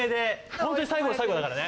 ホントに最後の最後だからね。